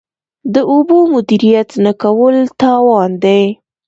د اوبو مدیریت نه کول تاوان دی.